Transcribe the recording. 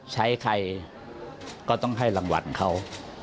ใครก็ต้องให้รางวัลเขา